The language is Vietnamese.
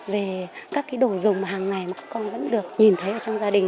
về các cái đồ dùng mà hằng ngày mà các con vẫn được nhìn thấy ở trong gia đình